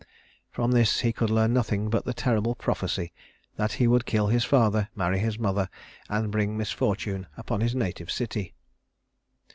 From this he could learn nothing but the terrible prophecy that he would kill his father, marry his mother, and bring misfortune upon his native city.